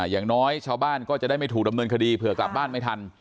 อย่างน้อยชาวบ้านก็จะได้ไม่ถูกดำเนินคดีเผื่อกลับบ้านไม่ทัน